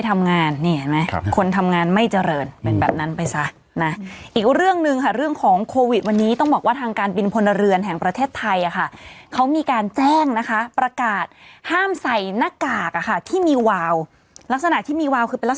ของน้องฟ้านี่คือตอนนี้คือยังไงบ้างคะ